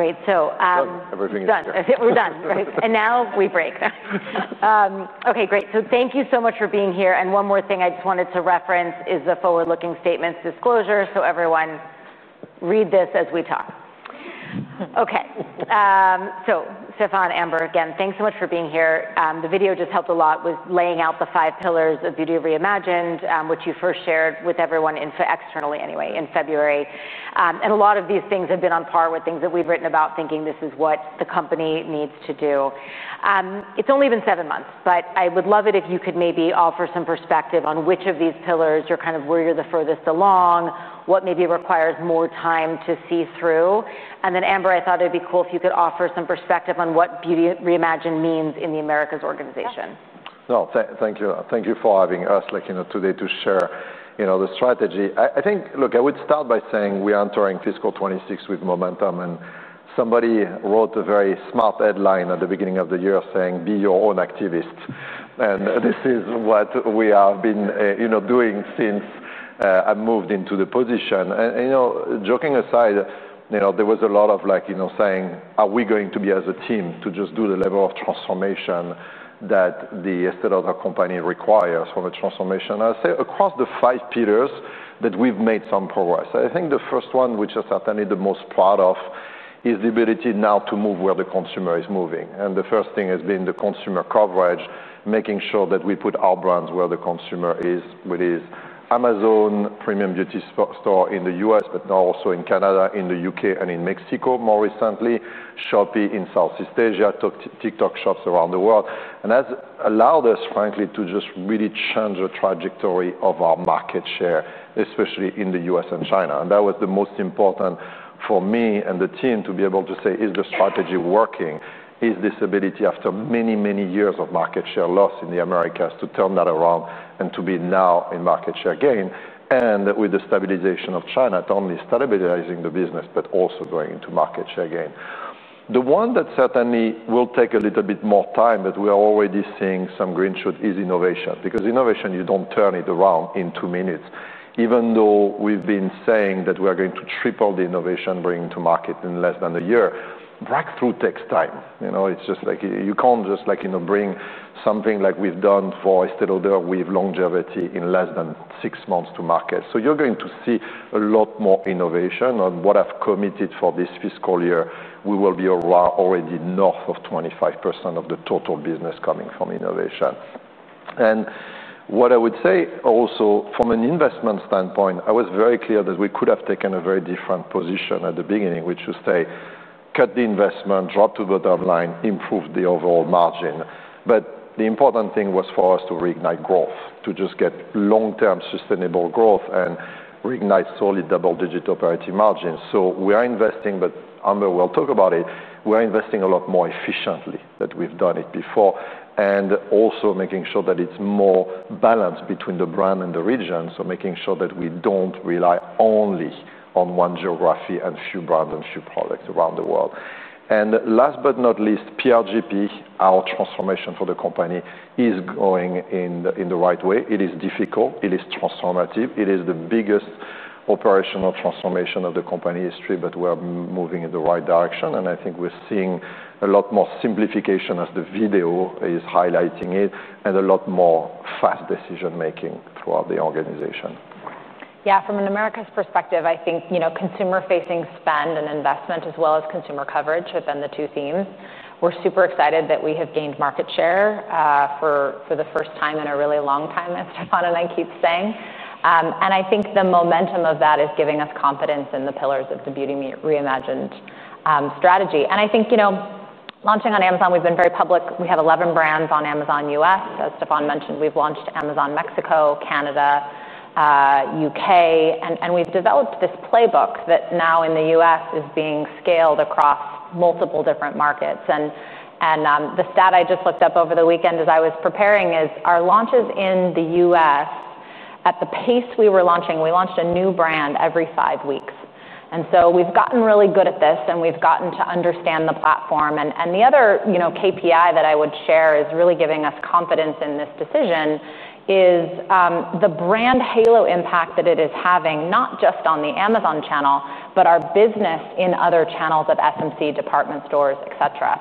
... Great. So, Everything is- Done. We're done, right? And now, we break. Okay, great. So thank you so much for being here, and one more thing I just wanted to reference is the forward-looking statements disclosure, so everyone read this as we talk. Okay, so Stéphane, Mark, again, thanks so much for being here. The video just helped a lot with laying out the five pillars of Beauty Reimagined, which you first shared with everyone externally anyway, in February. And a lot of these things have been on par with things that we've written about, thinking this is what the company needs to do. It's only been seven months, but I would love it if you could maybe offer some perspective on which of these pillars you're kind of, where you're the furthest along, what maybe requires more time to see through. And then Mark, I thought it'd be cool if you could offer some perspective on what Beauty Reimagined means in the Americas organization. Thank you. Thank you for having us, like, you know, today to share, you know, the strategy. I think... Look, I would start by saying we are entering fiscal 2026 with momentum, and somebody wrote a very smart headline at the beginning of the year saying, "Be your own activist." And this is what we have been, you know, doing since I moved into the position. And you know, joking aside, you know, there was a lot of, like, you know, saying, "Are we going to be, as a team, to just do the level of transformation that the Estée Lauder company requires from a transformation?" I'll say across the five pillars, that we've made some progress. I think the first one, which is certainly the most important part, is the ability now to move where the consumer is moving, and the first thing has been the consumer coverage, making sure that we put our brands where the consumer is, whether it's Amazon Premium Beauty Store in the U.S., but now also in Canada, in the U.K., and in Mexico more recently, Shopee in Southeast Asia, TikTok Shop around the world. That's allowed us, frankly, to just really change the trajectory of our market share, especially in the U.S., and China. That was the most important for me and the team to be able to say, "Is the strategy working? Is this ability, after many, many years of market share loss in the Americas, to turn that around and to be now in market share gain?" And with the stabilization of China, not only stabilizing the business, but also going into market share gain. The one that certainly will take a little bit more time, but we are already seeing some green shoot, is innovation, because innovation, you don't turn it around in two minutes. Even though we've been saying that we're going to triple the innovation bringing to market in less than a year, breakthrough takes time. You know, it's just like, you know, bring something like we've done for Estée Lauder with longevity in less than six months to market. So you're going to see a lot more innovation. On what I've committed for this fiscal year, we will be already north of 25% of the total business coming from innovation. And what I would say also, from an investment standpoint, I was very clear that we could have taken a very different position at the beginning, which was to say, "Cut the investment, drop to the bottom line, improve the overall margin." But the important thing was for us to reignite growth, to just get long-term, sustainable growth and reignite solid double-digit operating margins. So we are investing, but Mark will talk about it, we're investing a lot more efficiently than we've done it before, and also making sure that it's more balanced between the brand and the region, so making sure that we don't rely only on one geography and few brands and few products around the world. Last but not least, PRGP, our transformation for the company, is going in the right way. It is difficult. It is transformative. It is the biggest operational transformation of the company history, but we're moving in the right direction, and I think we're seeing a lot more simplification as the video is highlighting it, and a lot more fast decision-making throughout the organization. Yeah, from an Americas perspective, I think, you know, consumer-facing spend and investment, as well as consumer coverage, have been the two themes. We're super excited that we have gained market share, for the first time in a really long time, as Stéphane and I keep saying. And I think the momentum of that is giving us confidence in the pillars of the Beauty Reimagined strategy. And I think, you know, launching on Amazon, we've been very public. We have 11 brands on Amazon U.S., As Stéphane mentioned, we've launched Amazon Mexico, Canada, U.K., and we've developed this playbook that now, in the U.S., is being scaled across multiple different markets. The stat I just looked up over the weekend as I was preparing is, our launches in the U.S., at the pace we were launching, we launched a new brand every five weeks. So we've gotten really good at this, and we've gotten to understand the platform. The other, you know, KPI that I would share is really giving us confidence in this decision, the brand halo impact that it is having, not just on the Amazon channel, but our business in other channels of uncertain, department stores, et cetera.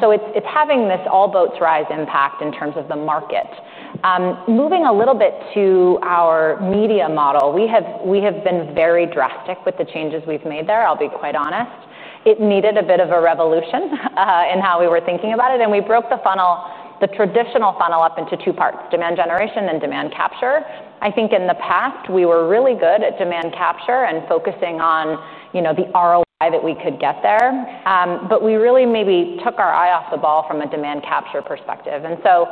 So it's having this all boats rise impact in terms of the market. Moving a little bit to our media model, we have been very drastic with the changes we've made there. I'll be quite honest. It needed a bit of a revolution in how we were thinking about it, and we broke the funnel, the traditional funnel, up into two parts, demand generation and demand capture. I think in the past, we were really good at demand capture and focusing on, you know, the ROI that we could get there, but we really maybe took our eye off the ball from a demand capture perspective, and so,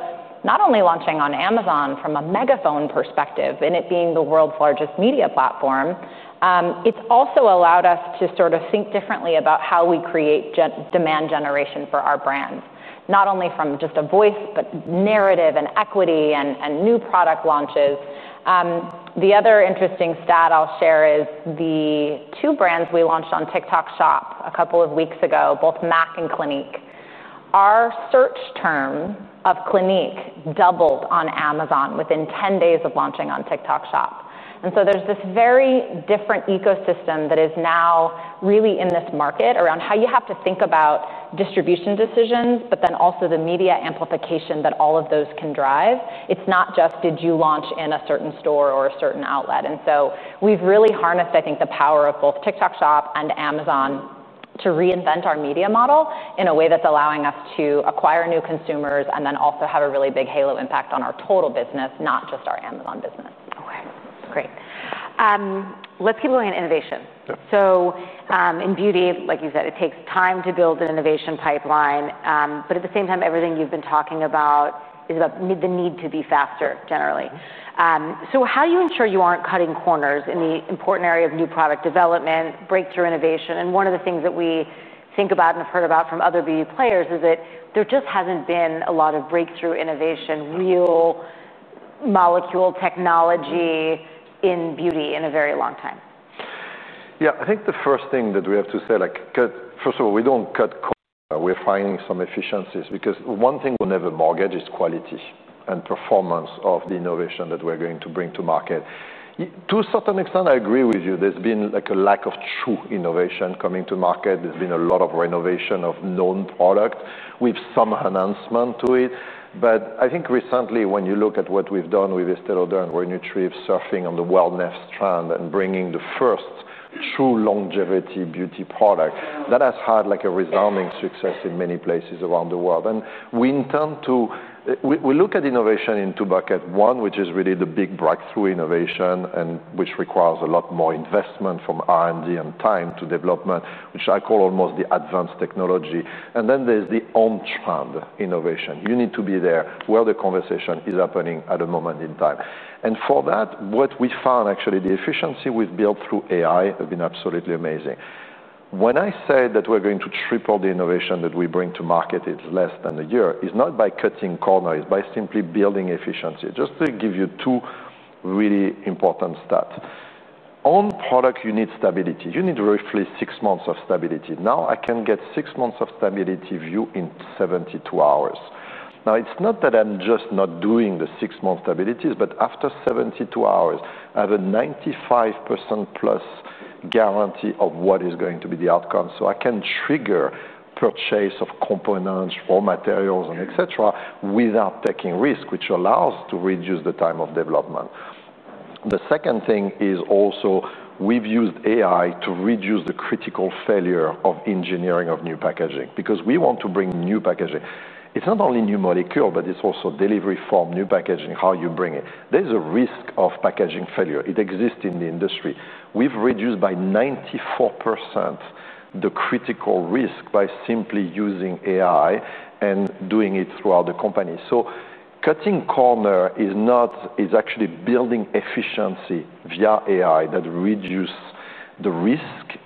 not only launching on Amazon from a megaphone perspective, and it being the world's largest media platform, it's also allowed us to sort of think differently about how we create demand generation for our brands, not only from just a voice, but narrative and equity and new product launches. The other interesting stat I'll share is the two brands we launched on TikTok Shop a couple of weeks ago, both MAC and Clinique.... Our search term of Clinique doubled on Amazon within 10 days of launching on TikTok Shop, and so there's this very different ecosystem that is now really in this market around how you have to think about distribution decisions, but then also the media amplification that all of those can drive. It's not just, did you launch in a certain store or a certain outlet, and so we've really harnessed, I think, the power of both TikTok Shop and Amazon to reinvent our media model in a way that's allowing us to acquire new consumers, and then also have a really big halo impact on our total business, not just our Amazon business. Okay, great. Let's keep going on innovation. Yeah. So, in beauty, like you said, it takes time to build an innovation pipeline. But at the same time, everything you've been talking about is about the need to be faster, generally. So how do you ensure you aren't cutting corners? Yeah... in the important area of new product development, breakthrough innovation? And one of the things that we think about and have heard about from other beauty players is that there just hasn't been a lot of breakthrough innovation, real molecule technology in beauty in a very long time. Yeah, I think the first thing that we have to say, like, first of all, we don't cut corners. We're finding some efficiencies, because one thing we'll never mortgage is quality and performance of the innovation that we're going to bring to market. To a certain extent, I agree with you. There's been, like, a lack of true innovation coming to market. There's been a lot of renovation of known products with some enhancement to it. But I think recently, when you look at what we've done with Estée Lauder and Re-Nutriv, surfing on the wellness trend and bringing the first true longevity beauty product, that has had, like, a resounding success in many places around the world. And we intend to. We look at innovation in two buckets. One, which is really the big breakthrough innovation, and which requires a lot more investment from R&D and time to development, which I call almost the advanced technology, and then there's the on-trend innovation. You need to be there, where the conversation is happening at a moment in time, and for that, what we found, actually, the efficiency we've built through AI has been absolutely amazing. When I say that we're going to triple the innovation that we bring to market in less than a year, it's not by cutting corners, it's by simply building efficiency. Just to give you two really important stats. On product, you need stability. You need roughly six months of stability. Now, I can get six months of stability view in 72 hours. Now, it's not that I'm just not doing the six-month stabilities, but after 72 hours, I have a 95% plus guarantee of what is going to be the outcome. So I can trigger purchase of components or materials and et cetera, without taking risk, which allows to reduce the time of development. The second thing is also, we've used AI to reduce the critical failure of engineering of new packaging, because we want to bring new packaging. It's not only new molecule, but it's also delivery form, new packaging, how you bring it. There's a risk of packaging failure. It exists in the industry. We've reduced by 94% the critical risk by simply using AI and doing it throughout the company. So cutting corners is actually building efficiency via AI that reduce the risk,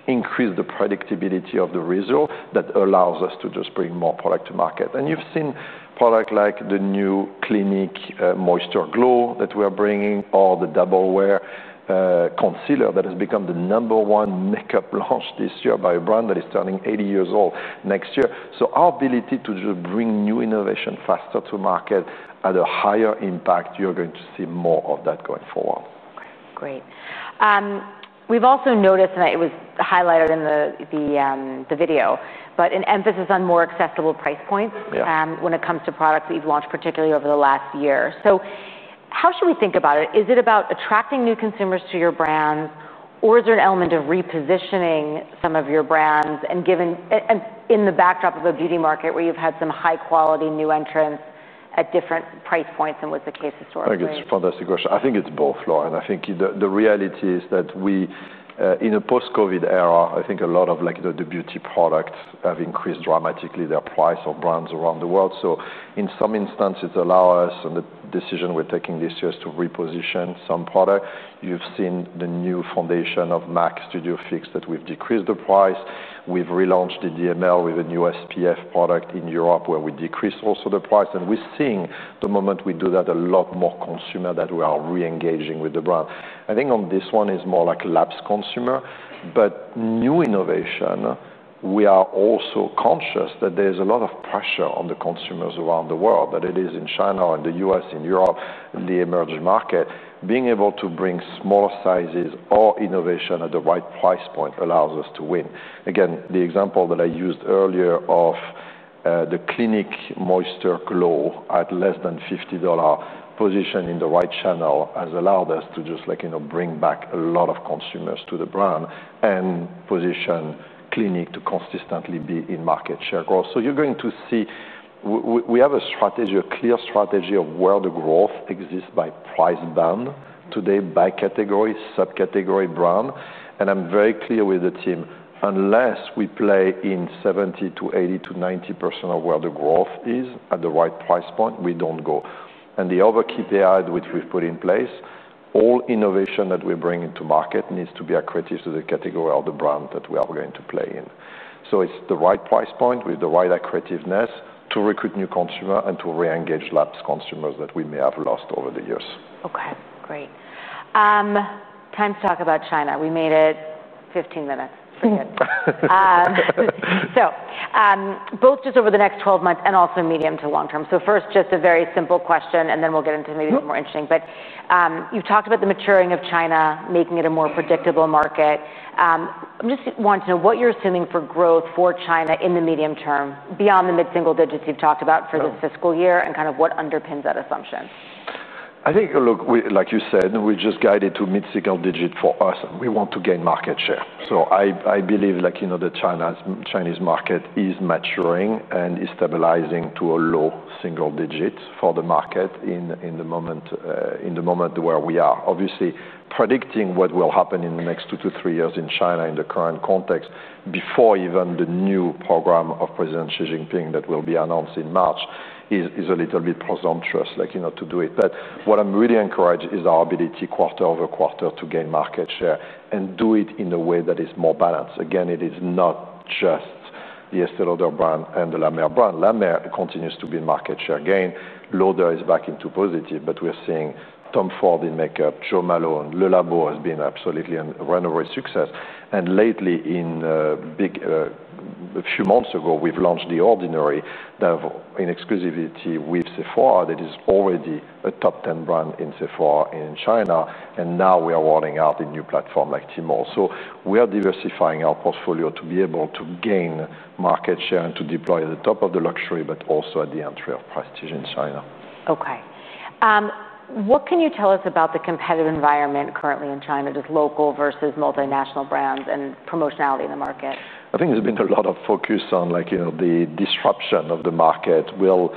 increase the predictability of the result, that allows us to just bring more product to market. And you've seen product like the new Clinique uncertain that we're bringing, or the Double Wear concealer that has become the number one makeup launch this year by a brand that is turning eighty years old next year. So our ability to just bring new innovation faster to market at a higher impact, you're going to see more of that going forward. Great. We've also noticed, and it was highlighted in the video, but an emphasis on more accessible price points- Yeah... when it comes to products that you've launched, particularly over the last year. So how should we think about it? Is it about attracting new consumers to your brands, or is there an element of repositioning some of your brands and giving... and in the backdrop of a beauty market, where you've had some high-quality new entrants at different price points than was the case historically? I think it's a fantastic question. I think it's both, Lauren, and I think the reality is that we in a post-COVID era, I think a lot of like the beauty products have increased dramatically their price of brands around the world. So in some instances, allow us, and the decision we're taking this year, is to reposition some product. You've seen the new foundation of MAC Studio Fix, that we've decreased the price. We've relaunched the DDML with a new SPF product in Europe, where we decreased also the price, and we're seeing the moment we do that, a lot more consumer that we are re-engaging with the brand. I think on this one, it's more like a lapsed consumer, but new innovation, we are also conscious that there's a lot of pressure on the consumers around the world, that it is in China, or in the U.S., in Europe, in the emerging market. Being able to bring smaller sizes or innovation at the right price point allows us to win. Again, the example that I used earlier of the Clinique uncertain at less than $50, positioned in the right channel, has allowed us to just, like, you know, bring back a lot of consumers to the brand, and position Clinique to consistently be in market share growth. So you're going to see, we have a strategy, a clear strategy of where the growth exists by price band, today, by category, sub-category, brand, and I'm very clear with the team, unless we play in 70 to 80 to 90% of where the growth is at the right price point, we don't go. And the other key thing which we've put in place, all innovation that we're bringing to market needs to be accretive to the category or the brand that we are going to play in. So it's the right price point with the right accretiveness to recruit new consumer and to re-engage lapsed consumers that we may have lost over the years. Okay, great. Time to talk about China. We made it 15 minutes. Forget it. Both just over the next 12 months and also medium to long term. First, just a very simple question, and then we'll get into maybe the more interesting. But, you've talked about the maturing of China, making it a more predictable market. I just want to know what you're assuming for growth for China in the medium term, beyond the mid-single digits you've talked about for the fiscal year, and kind of what underpins that assumption? I think, look, we, like you said, we just guided to mid-single digit. For us, we want to gain market share. So I, I believe, like, you know, the Chinese market is maturing and is stabilizing to a low single digit for the market in the moment where we are. Obviously, predicting what will happen in the next two to three years in China in the current context, before even the new program of President Xi Jinping that will be announced in March, is a little bit presumptuous, like, you know, to do it. But what I'm really encouraged is our ability quarter over quarter to gain market share and do it in a way that is more balanced. Again, it is not just the Estée Lauder brand and the La Mer brand. La Mer continues to be market share gain. Lauder is back into positive, but we are seeing Tom Ford in makeup, Jo Malone. Le Labo has been absolutely a runaway success, and uncertain. A few months ago, we've launched The Ordinary in exclusivity with Sephora. That is already a top ten brand in Sephora in China, and now we are rolling out a new platform like Tmall. So we are diversifying our portfolio to be able to gain market share and to deploy at the top of the luxury, but also at the entry of prestige in China. Okay. What can you tell us about the competitive environment currently in China, just local versus multinational brands and promotionality in the market? I think there's been a lot of focus on, like, you know, the disruption of the market. Will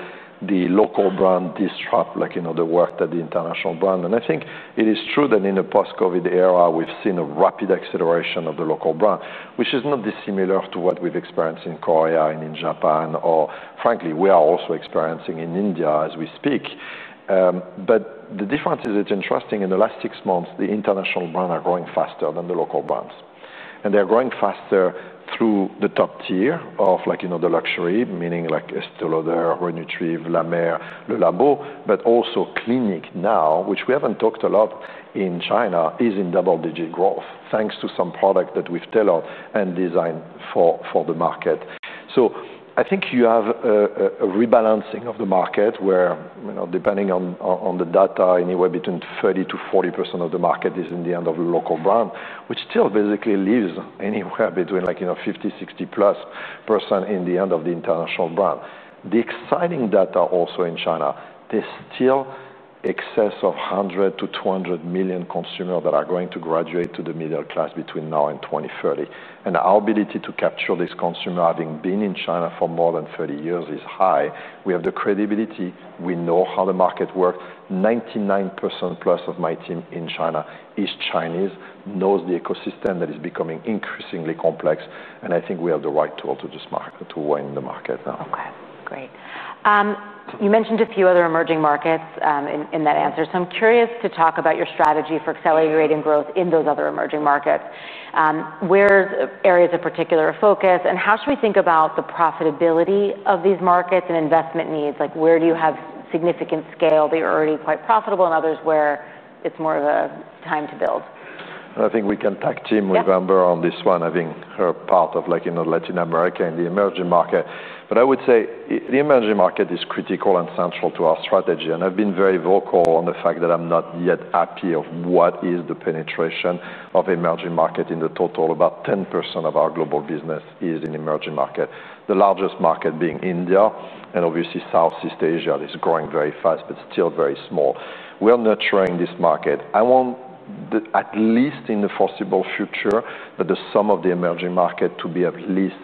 the local brand disrupt, like, you know, the work that the international brand? And I think it is true that in the post-COVID era, we've seen a rapid acceleration of the local brand, which is not dissimilar to what we've experienced in Korea and in Japan, or frankly, we are also experiencing in India as we speak. But the difference is, it's interesting, in the last six months, the international brand are growing faster than the local brands, and they're growing faster through the top tier of like, you know, the luxury, meaning like Estée Lauder, Re-Nutriv, La Mer, Le Labo, but also Clinique now, which we haven't talked a lot in China, is in double-digit growth, thanks to some product that we've tailored and designed for the market. I think you have a rebalancing of the market where, you know, depending on the data, anywhere between 30%-40% of the market is in the hand of a local brand, which still basically leaves anywhere between, like, you know, 50-60% plus in the hand of the international brand. The exciting data also in China, there's still an excess of 100-200 million consumers that are going to graduate to the middle class between now and 2030, and our ability to capture this consumer, having been in China for more than 30 years, is high. We have the credibility. We know how the market works. 99% plus of my team in China is Chinese, knows the ecosystem that is becoming increasingly complex, and I think we have the right tools to win in this market now. Okay, great. You mentioned a few other emerging markets in that answer. So I'm curious to talk about your strategy for accelerating growth in those other emerging markets. Where's areas of particular focus, and how should we think about the profitability of these markets and investment needs? Like, where do you have significant scale, but you're already quite profitable, and others where it's more of a time to build? I think we can tag team- Yeah With Amber on this one, having her part of, like, you know, Latin America and the emerging market. But I would say the emerging market is critical and central to our strategy, and I've been very vocal on the fact that I'm not yet happy of what is the penetration of emerging market. In total, about 10% of our global business is in emerging market, the largest market being India, and obviously Southeast Asia is growing very fast, but still very small. We are nurturing this market. I want the, at least in the foreseeable future, that the sum of the emerging market to be at least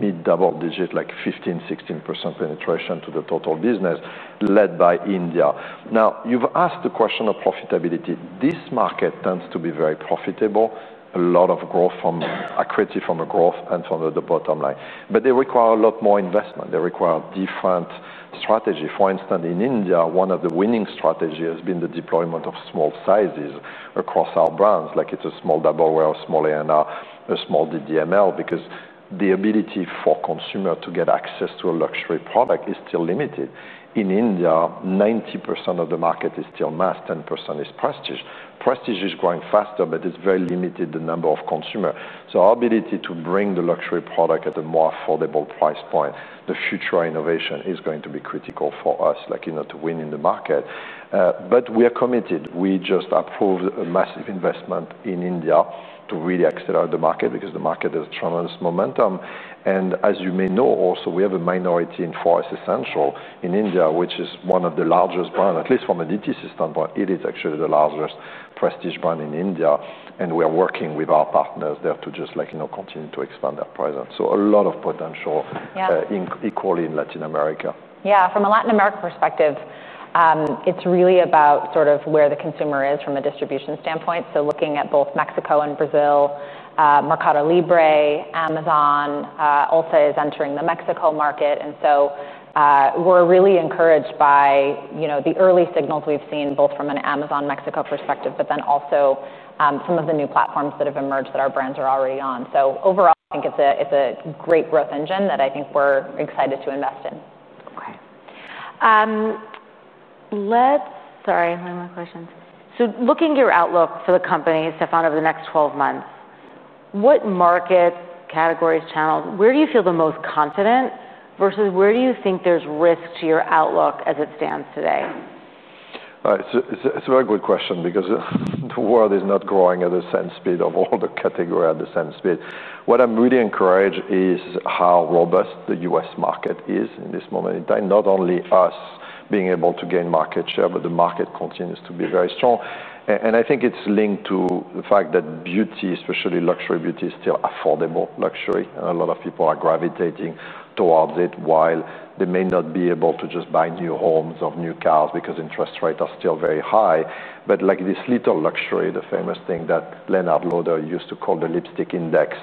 mid-double digit, like 15, 16% penetration to the total business, led by India. Now, you've asked the question of profitability. This market tends to be very profitable. A lot of growth from... Accretive from the growth and from the bottom line, but they require a lot more investment. They require different strategy. For instance, in India, one of the winning strategy has been the deployment of small sizes across our brands, like it's a small Double Wear, a small ANR, a small DDDML, because the ability for consumer to get access to a luxury product is still limited. In India, 90% of the market is still mass, 10% is prestige. Prestige is growing faster, but it's very limited, the number of consumer. So our ability to bring the luxury product at a more affordable price point, the future innovation is going to be critical for us, like, you know, to win in the market. But we are committed. We just approved a massive investment in India to really accelerate the market, because the market has tremendous momentum. As you may know, also, we have a minority in Forest Essentials in India, which is one of the largest brand, at least from an DT system, but it is actually the largest prestige brand in India, and we are working with our partners there to just, like, you know, continue to expand our presence. So a lot of potential- Yeah... unequally in Latin America. Yeah, from a Latin America perspective, it's really about sort of where the consumer is from a distribution standpoint. So looking at both Mexico and Brazil, Mercado Libre, Amazon, Ulta is entering the Mexico market, and so, we're really encouraged by, you know, the early signals we've seen, both from an Amazon Mexico perspective, but then also, some of the new platforms that have emerged that our brands are already on. So overall, I think it's a, it's a great growth engine that I think we're excited to invest in. Sorry, one more question. So looking at your outlook for the company, Stéphane, over the next twelve months, what markets, categories, channels, where do you feel the most confident, versus where do you think there's risk to your outlook as it stands today? It's a very good question because the world is not growing at the same speed of all the category at the same speed. What I'm really encouraged is how robust the U.S., market is in this moment in time. Not only us being able to gain market share, but the market continues to be very strong, and I think it's linked to the fact that beauty, especially luxury beauty, is still affordable luxury, and a lot of people are gravitating towards it. While they may not be able to just buy new homes or new cars because interest rates are still very high, but like this little luxury, the famous thing that Leonard Lauder used to call the Lipstick Index,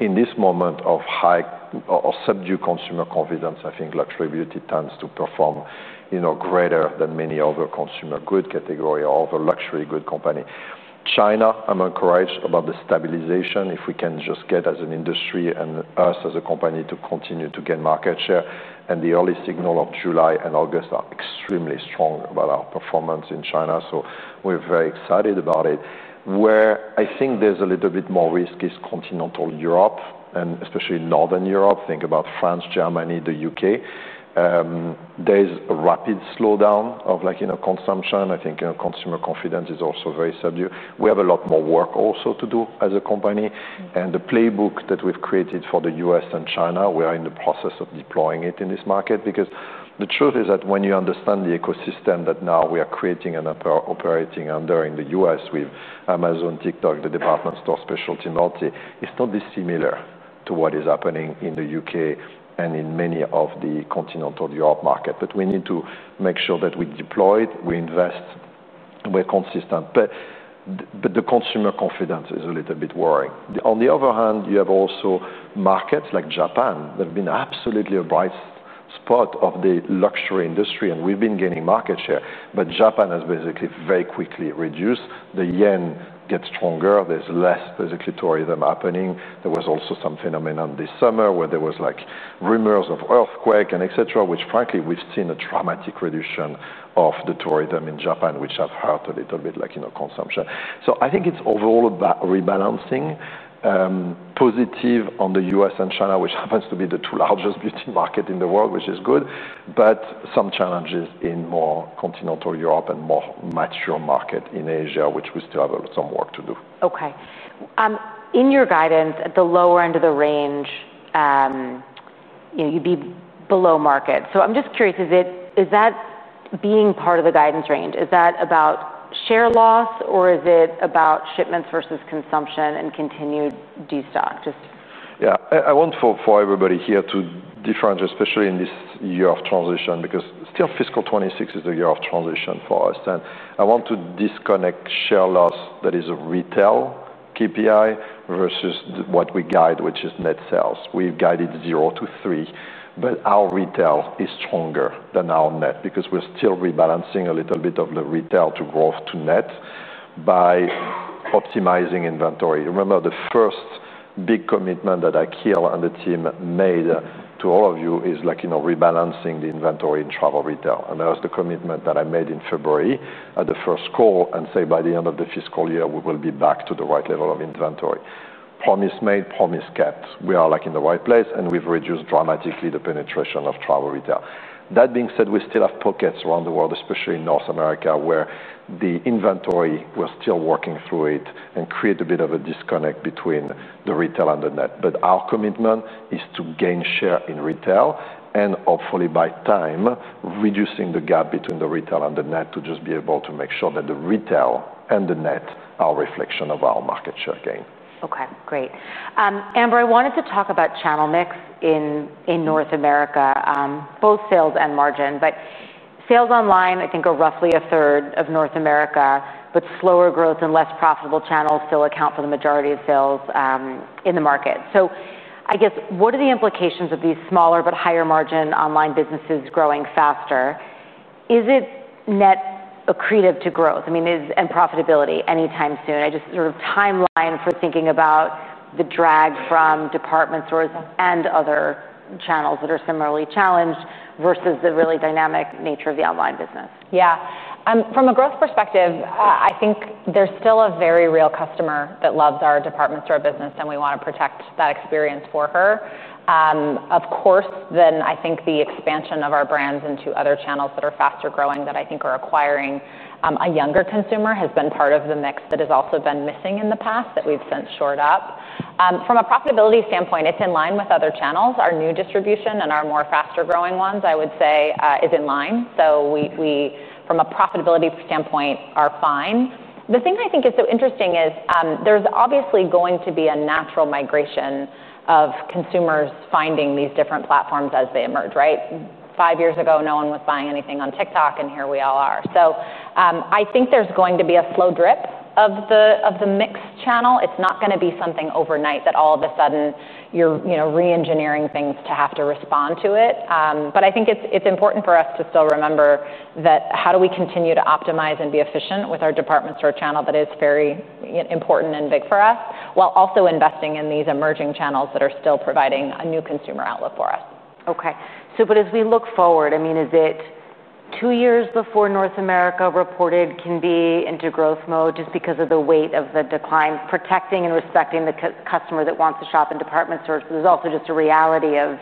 in this moment of high or subdued consumer confidence, I think luxury beauty tends to perform, you know, greater than many other consumer good category or other luxury good company. China, I'm encouraged about the stabilization, if we can just get as an industry and us as a company to continue to gain market share, and the early signal of July and August are extremely strong about our performance in China, so we're very excited about it. Where I think there's a little bit more risk is continental Europe, and especially Northern Europe. Think about France, Germany, the U.K. There is a rapid slowdown of, like, you know, consumption. I think, you know, consumer confidence is also very subdued. We have a lot more work also to do as a company, and the playbook that we've created for the U.S., and China, we are in the process of deploying it in this market. Because the truth is that when you understand the ecosystem that now we are creating and operating under in the U.S., with Amazon, TikTok, the department store, specialty, multi, it's not dissimilar to what is happening in the U.K. and in many of the continental Europe market. But we need to make sure that we deploy it, we invest, and we're consistent. But the consumer confidence is a little bit worrying. On the other hand, you have also markets like Japan that have been absolutely a bright spot of the luxury industry, and we've been gaining market share. But Japan has basically very quickly reduced. The yen gets stronger. There's less physical tourism happening. There was also some phenomenon this summer where there was, like, rumors of earthquake and et cetera, which frankly, we've seen a dramatic reduction of the tourism in Japan, which have hurt a little bit, like, you know, consumption. So I think it's overall about rebalancing, positive on the U.S., and China, which happens to be the two largest beauty market in the world, which is good, but some challenges in more continental Europe and more mature market in Asia, which we still have some work to do. Okay. In your guidance, at the lower end of the range, you'd be below market. So I'm just curious, is that being part of the guidance range? Is that about share loss, or is it about shipments versus consumption and continued de-stock? Just- Yeah. I want, for everybody here, to differentiate, especially in this year of transition, because still fiscal 2026 is a year of transition for us, and I want to disconnect share loss that is a retail KPI versus what we guide, which is net sales. We've guided 0 to 3, but our retail is stronger than our net because we're still rebalancing a little bit of the retail to growth to net by optimizing inventory. Remember, the first big commitment that Akhil and the team made to all of you is, like, you know, rebalancing the inventory in travel retail, and that was the commitment that I made in February at the first call, and say by the end of the fiscal year, we will be back to the right level of inventory. Promise made, promise kept. We are, like, in the right place, and we've reduced dramatically the penetration of travel retail. That being said, we still have pockets around the world, especially in North America, where the inventory, we're still working through it and create a bit of a disconnect between the retail and the net. But our commitment is to gain share in retail and hopefully by time, reducing the gap between the retail and the net to just be able to make sure that the retail and the net are a reflection of our market share gain. Okay, great. Amber, I wanted to talk about channel mix in North America, both sales and margin, but sales online, I think, are roughly a third of North America, but slower growth and less profitable channels still account for the majority of sales in the market, so I guess, what are the implications of these smaller but higher-margin online businesses growing faster? Is it net accretive to growth, I mean, is and profitability anytime soon? I just sort of timeline for thinking about the drag from department stores and other channels that are similarly challenged versus the really dynamic nature of the online business. Yeah. From a growth perspective, I think there's still a very real customer that loves our department store business, and we want to protect that experience for her. Of course, then I think the expansion of our brands into other channels that are faster-growing, that I think are acquiring a younger consumer, has been part of the mix that has also been missing in the past, that we've since shored up. From a profitability standpoint, it's in line with other channels. Our new distribution and our more faster-growing ones, I would say, is in line, so we, from a profitability standpoint, are fine. The thing I think is so interesting is, there's obviously going to be a natural migration of consumers finding these different platforms as they emerge, right? Five years ago, no one was buying anything on TikTok, and here we all are, so I think there's going to be a slow drip of the mix channel. It's not gonna be something overnight that all of a sudden you're, you know, re-engineering things to have to respond to it, but I think it's important for us to still remember that how do we continue to optimize and be efficient with our department store channel that is very important and big for us, while also investing in these emerging channels that are still providing a new consumer outlook for us? Okay. So but as we look forward, I mean, is it two years before North America returns to growth mode just because of the weight of the decline, protecting and respecting the customer that wants to shop in department stores, but there's also just a reality of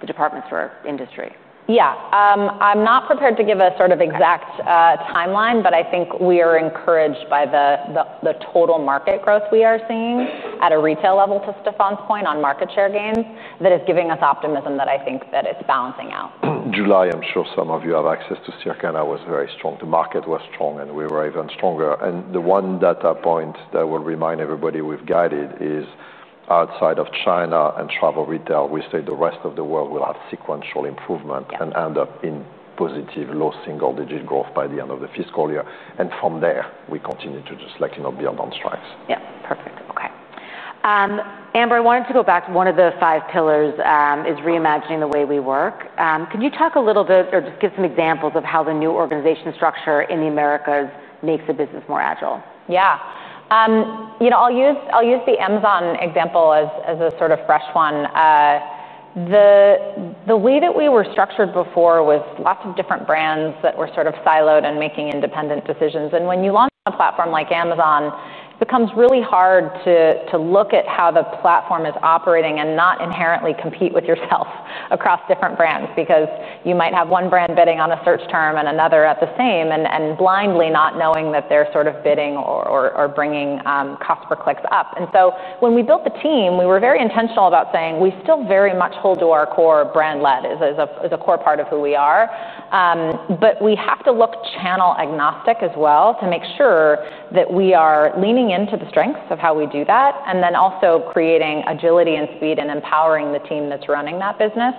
the department store industry? Yeah, I'm not prepared to give a sort of exact- Okay... timeline, but I think we are encouraged by the total market growth we are seeing at a retail level, to Stéphane's point, on market share gains, that is giving us optimism that I think that it's balancing out. July, I'm sure some of you have access to Circana, was very strong. The market was strong, and we were even stronger, and the one data point that will remind everybody we've guided is outside of China and travel retail, we say the rest of the world will have sequential improvement- Yeah... and end up in positive, low single-digit growth by the end of the fiscal year, and from there, we continue to just, like, you know, build on strides. Yeah. Perfect. Okay. Mark, I wanted to go back to one of the five pillars, is reimagining the way we work. Can you talk a little bit or just give some examples of how the new organization structure in the Americas makes the business more agile? Yeah, you know, I'll use the Amazon example as a sort of fresh one. The way that we were structured before was lots of different brands that were sort of siloed and making independent decisions, and when you launch on a platform like Amazon, it becomes really hard to look at how the platform is operating and not inherently compete with yourself across different brands. Because you might have one brand bidding on a search term and another at the same, and blindly not knowing that they're sort of bidding or bringing cost per clicks up. And so when we built the team, we were very intentional about saying we still very much hold to our core brand lead as a core part of who we are. But we have to look channel-agnostic as well to make sure that we are leaning into the strengths of how we do that, and then also creating agility and speed and empowering the team that's running that business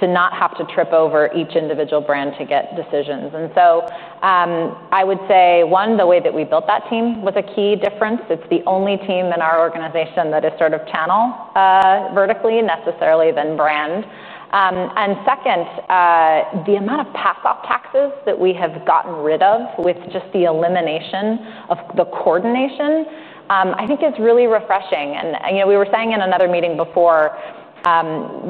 to not have to trip over each individual brand to get decisions. And so, I would say, one, the way that we built that team was a key difference. It's the only team in our organization that is sort of channel vertically necessarily than brand. And second, the amount of pass-off taxes that we have gotten rid of with just the elimination of the coordination, I think it's really refreshing, and, you know, we were saying in another meeting before,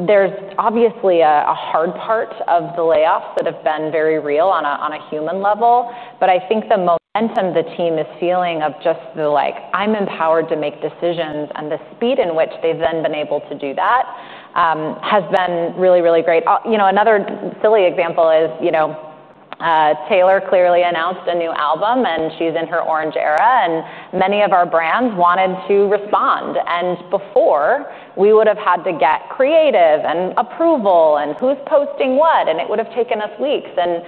there's obviously a hard part of the layoffs that have been very real on a human level. But I think the momentum the team is feeling of just the, like, "I'm empowered to make decisions," and the speed in which they've then been able to do that, has been really, really great. You know, another silly example is, you know, Taylor clearly announced a new album, and she's in her Eras era, and many of our brands wanted to respond, and before, we would've had to get creative approval, and who's posting what, and it would've taken us weeks, and,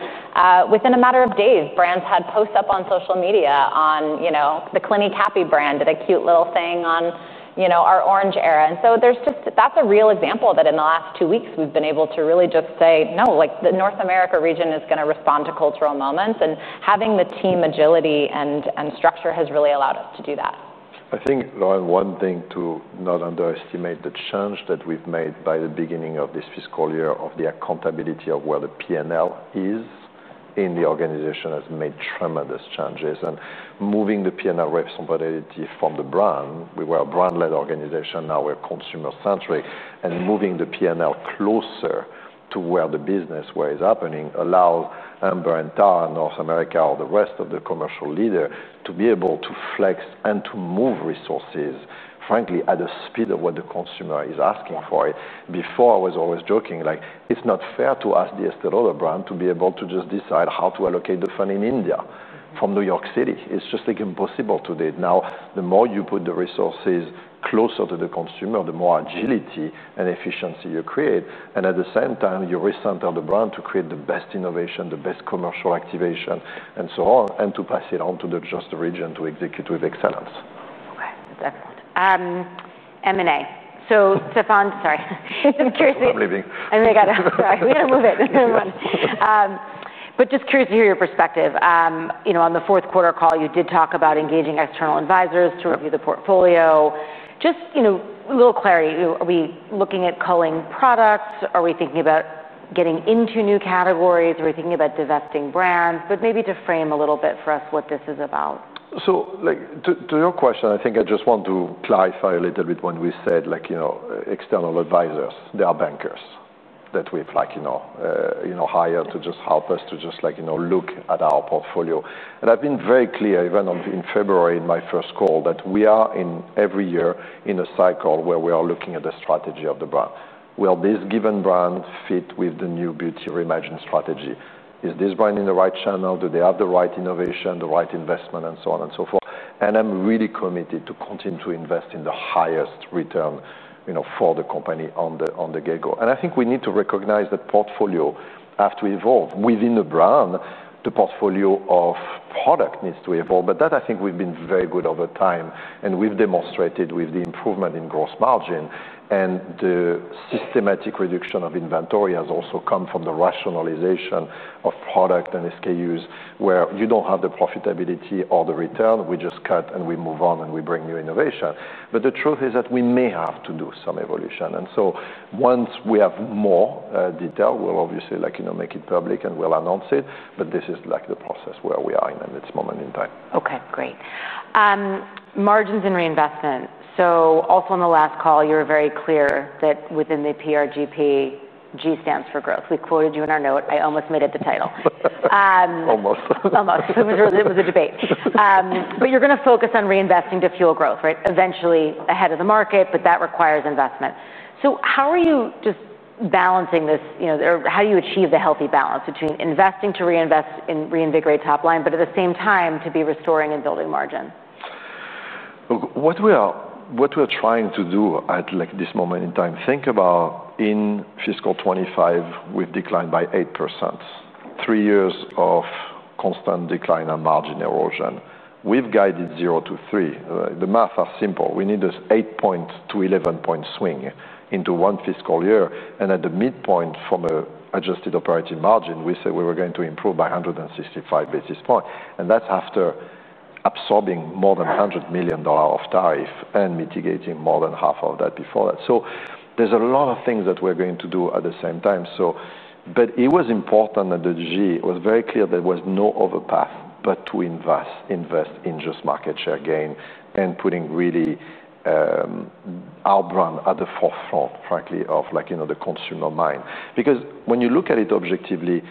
within a matter of days, brands had posts up on social media on, you know... The Clinique Happy brand did a cute little thing on, you know, our orange era, and so there's just that. That's a real example that in the last two weeks we've been able to really just say, "No, like, the North America region is gonna respond to cultural moments," and having the team agility and structure has really allowed us to do that. I think, Lauren, one thing to not underestimate the change that we've made by the beginning of this fiscal year, of the accountability of where the P&L is in the organization, has made tremendous changes, and moving the P&L responsibility from the brand, we were a brand-led organization, now we're consumer-centric, and moving the P&L closer to where the business, where it's happening, allows Amber and Tara in North America or the rest of the commercial leader to be able to flex and to move resources, frankly, at the speed of what the consumer is asking for it. Before, I was always joking, like, "It's not fair to ask the Estée Lauder brand to be able to just decide how to allocate the fund in India from New York City. It's just, like, impossible to do it." Now, the more you put the resources closer to the consumer, the more agility and efficiency you create, and at the same time, you recenter the brand to create the best innovation, the best commercial activation, and so on, and to pass it on to just the region to execute with excellence. Okay. Definitely. M&A. So, Stéphane, sorry, I'm curious- I'm leaving. Right, we gotta move it. But just curious to hear your perspective. You know, on the fourth quarter call, you did talk about engaging external advisors to review the portfolio. Just, you know, a little clarity, are we looking at culling products? Are we thinking about getting into new categories? Are we thinking about divesting brands? But maybe to frame a little bit for us what this is about. So, like, to your question, I think I just want to clarify a little bit when we said, like, you know, external advisors. They are bankers that we've like, you know, hired to just help us, like, you know, look at our portfolio. And I've been very clear, even in February, in my first call, that we are in every year, in a cycle where we are looking at the strategy of the brand. Will this given brand fit with the new Beauty Reimagined strategy? Is this brand in the right channel? Do they have the right innovation, the right investment, and so on and so forth? And I'm really committed to continue to invest in the highest return, you know, for the company on the get-go, and I think we need to recognize that portfolio have to evolve. Within the brand, the portfolio of product needs to evolve, but that I think we've been very good over time, and we've demonstrated with the improvement in gross margin, and the systematic reduction of inventory has also come from the rationalization of product and SKUs, where you don't have the profitability or the return. We just cut, and we move on, and we bring new innovation. But the truth is that we may have to do some evolution, and so once we have more detail, we'll obviously, like, you know, make it public, and we'll announce it, but this is, like, the process where we are in at this moment in time. Okay, great. Margins and reinvestment. So also on the last call, you were very clear that within the PRGP, G stands for growth. We quoted you in our note. I almost made it the title. Almost. Almost. It was a debate. But you're gonna focus on reinvesting to fuel growth, right? Eventually ahead of the market, but that requires investment. So how are you just balancing this, you know, or how do you achieve the healthy balance between investing to reinvest and reinvigorate top line, but at the same time, to be restoring and building margin? Look, what we are, what we're trying to do at, like, this moment in time. Think about in fiscal 2025, we've declined by 8%. Three years of constant decline and margin erosion. We've guided 0% to 3%. The math are simple. We need this 8-point to 11-point swing into one fiscal year, and at the midpoint from a adjusted operating margin, we said we were going to improve by 165 basis points, and that's after absorbing more than $100 million of tariff and mitigating more than half of that before that. So there's a lot of things that we're going to do at the same time, so... But it was important that the PRGP. It was very clear there was no other path but to invest, invest in just market share gain and putting really our brand at the forefront, frankly, of, like, you know, the consumer mind. Because when you look at it objectively,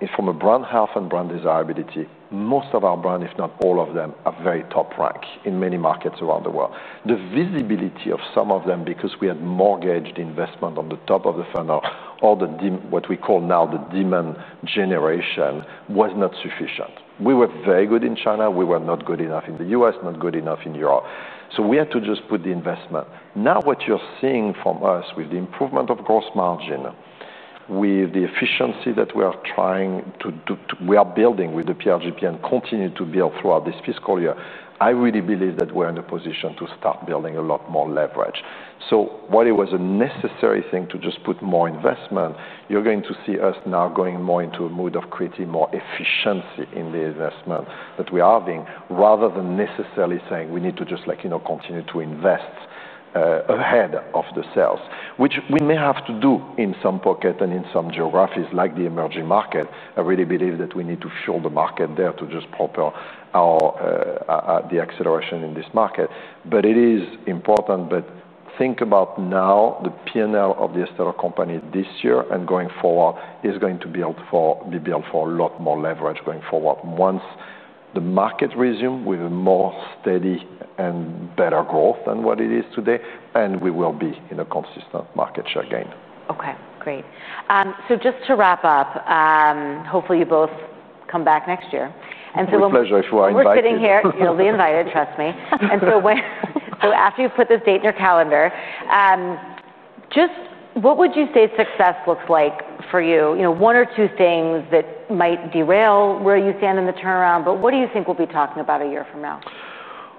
and from a brand health and brand desirability, most of our brand, if not all of them, are very top rank in many markets around the world. The visibility of some of them, because we had mortgaged investment on the top of the funnel, or what we call now the demand generation, was not sufficient. We were very good in China, we were not good enough in the U.S., not good enough in Europe, so we had to just put the investment. Now, what you're seeing from us, with the improvement of gross margin, with the efficiency that we are trying to build with the PRGP and continue to build throughout this fiscal year, I really believe that we're in a position to start building a lot more leverage. So while it was a necessary thing to just put more investment, you're going to see us now going more into a mode of creating more efficiency in the investment that we are doing, rather than necessarily saying, "We need to just, like, you know, continue to invest ahead of the sales," which we may have to do in some pocket and in some geographies, like the emerging market. I really believe that we need to fuel the market there to just propel the acceleration in this market. It is important, but think about now, the P&L of the Estée Lauder Companies this year and going forward is going to be built for a lot more leverage going forward. Once the market resumes with a more steady and better growth than what it is today, and we will be in a consistent market share gain. Okay, great. So just to wrap up, hopefully, you both come back next year. And so- With pleasure, if we are invited. We're sitting here... You'll be invited, trust me. So after you've put this date in your calendar, just what would you say success looks like for you? You know, one or two things that might derail where you stand in the turnaround, but what do you think we'll be talking about a year from now?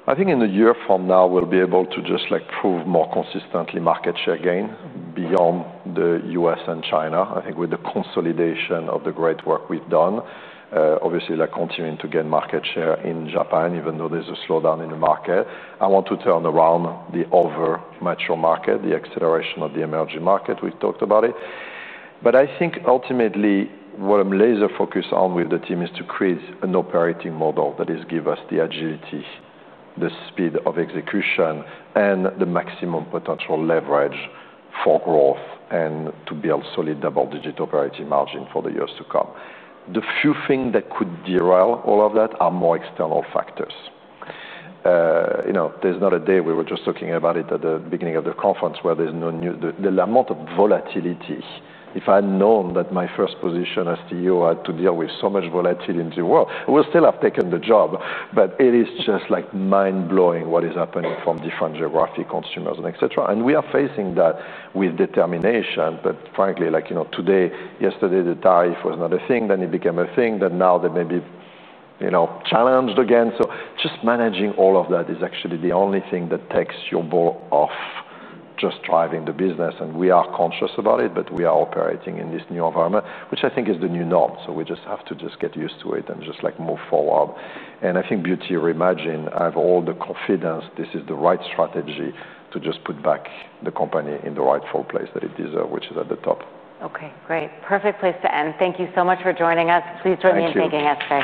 I think in a year from now, we'll be able to just, like, prove more consistently market share gain. Mm-hmm... beyond the U.S., and China, I think with the consolidation of the great work we've done. Obviously, like, continuing to gain market share in Japan, even though there's a slowdown in the market. I want to turn around the overmature market, the acceleration of the emerging market. We've talked about it. But I think ultimately, what I'm laser focused on with the team is to create an operating model that is give us the agility, the speed of execution, and the maximum potential leverage for growth, and to build solid double-digit operating margin for the years to come. The few things that could derail all of that are more external factors. You know, there's not a day. We were just talking about it at the beginning of the conference, where there's no end to the amount of volatility. If I had known that my first position as CEO had to deal with so much volatility in the world, I would still have taken the job, but it is just, like, mind-blowing what is happening from different geographic consumers and et cetera. And we are facing that with determination, but frankly, like, you know, today, yesterday, the tariff was not a thing, then it became a thing, then now they may be, you know, challenged again. So just managing all of that is actually the only thing that takes your eye off the ball of just driving the business, and we are conscious about it, but we are operating in this new environment, which I think is the new norm, so we just have to just get used to it and just, like, move forward. I think Beauty Reimagined. I have all the confidence this is the right strategy to just put back the company in the rightful place that it deserve, which is at the top. Okay, great. Perfect place to end. Thank you so much for joining us. Please join me in thanking Estée.